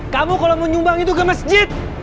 kamu kalau mau nyumbang itu ke mesjid